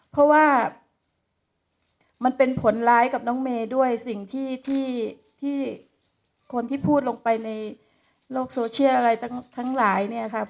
เพราะว่ามันเป็นผลร้ายกับน้องเมย์ด้วยสิ่งที่คนที่พูดลงไปในโลกโซเชียลอะไรทั้งหลายเนี่ยครับ